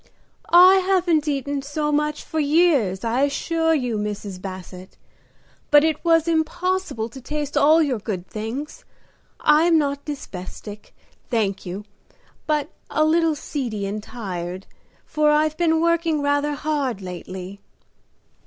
"I haven't eaten so much for years, I assure you, Mrs. Basset; but it was impossible to taste all your good things. I am not dyspeptic, thank you, but a little seedy and tired, for I've been working rather hard lately."